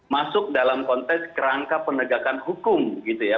masuk dalam konteks kerangka penegakan hukum gitu ya